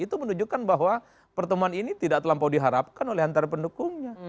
itu menunjukkan bahwa pertemuan ini tidak terlampau diharapkan oleh antara pendukungnya